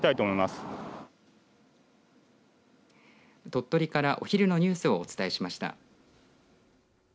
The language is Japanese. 鳥取からお昼のニュースをお伝えしました。